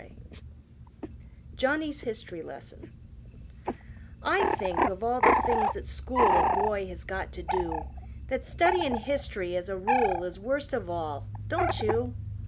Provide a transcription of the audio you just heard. _ Johnny's Hist'ry Lesson I think, of all the things at school A boy has got to do, That studyin' hist'ry, as a rule, Is worst of all, don't you?